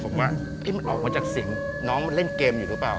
ผมว่ามันออกมาจากเสียงน้องมันเล่นเกมอยู่หรือเปล่า